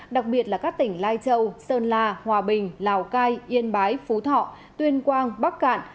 đặc biệt là các tỉnh lai châu sơn la hòa bình lào cai yên bái phú thọ tuyên quang bắc cạn